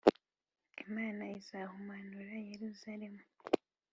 Imana izahumanura Yeruzalemu